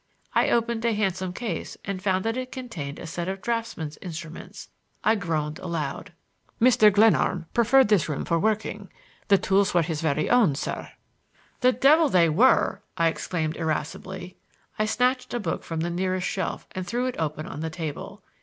I opened a handsome case and found that it contained a set of draftsman's instruments. I groaned aloud. "Mr. Glenarm preferred this room for working. The tools were his very own, sir." "The devil they were!" I exclaimed irascibly. I snatched a book from the nearest shelf and threw it open on the table.